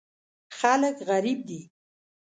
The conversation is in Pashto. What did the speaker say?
خلک غریب دي.